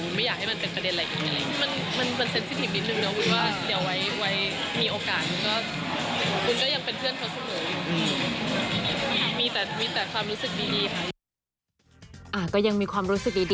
อุ้ยไม่อยากให้มันเป็นประเด็นอะไรกัน